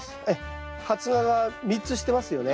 発芽が３つしてますよね。